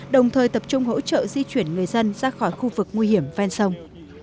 đồng thời tập trung hỗ trợ di chuyển người dân ra khỏi khu vực nguy hiểm ven sông